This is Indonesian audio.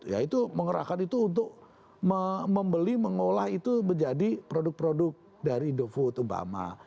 ya itu mengerahkan itu untuk membeli mengelola itu menjadi produk produk dari indofood obama